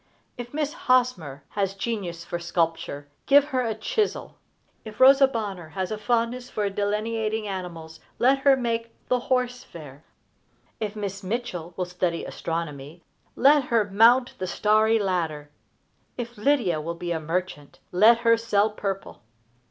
If Miss Hosmer has genius for sculpture, give her a chisel. If Rosa Bonheur has a fondness for delineating animals, let her make "The Horse Fair." If Miss Mitchell will study astronomy, let her mount the starry ladder. If Lydia will be a merchant, let her sell purple.